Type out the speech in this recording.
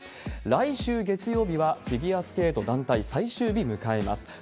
来週月曜日はフィギュアスケート団体、最終日、迎えます。